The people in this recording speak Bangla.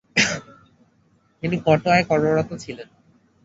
তিনি কটোয়ায় কর্মরত ছিলেন।